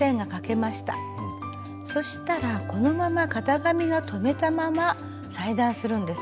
そしたらこのまま型紙を留めたまま裁断するんです。